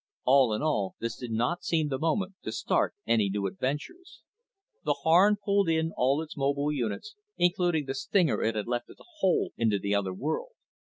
All in all, this did not seem the moment to start any new adventures. The Harn pulled in all its mobile units, including the stinger it had left at the hole into the other world.